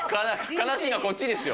悲しいのはこっちですよ。